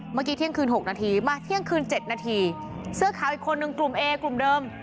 เมื่อกี้เที่ยงคืน๖นาทีมาเที่ยงคืน๗นาทีเสื้อขาวอีกคนนึงกลุ่มเอกลุ่มเดิม